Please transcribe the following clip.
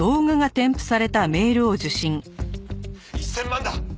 「１０００万だ！」